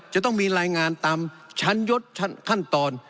จะต้องมีรายงานตามชั้นยศขั้นตอน